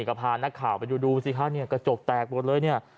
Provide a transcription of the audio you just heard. ก็พานักข่าวไปดูดูสิคะเนี่ยกระจกแตกหมดเลยเนี่ย